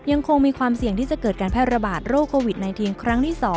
ยังคงมีความเสี่ยงที่จะเกิดการแพร่ระบาดโรคโควิด๑๙ครั้งที่๒